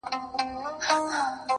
هسي نه چي دا یو ته په زړه خوږمن یې،